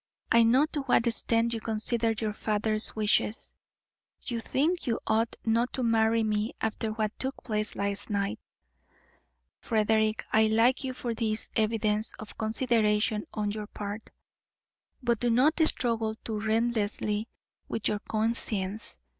"I know to what extent you consider your father's wishes. You think you ought not to marry me after what took place last night. Frederick, I like you for this evidence of consideration on your part, but do not struggle too relentlessly with your conscience.